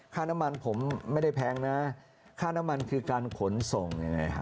ค่าน้ำมันผมไม่ได้แพงนะค่าน้ำมันคือการขนส่งยังไงฮะ